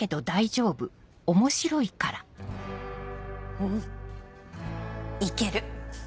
うんいける。